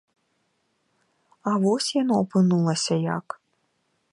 А вось яно апынулася як.